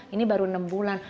ini baru enam bulan